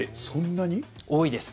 多いです。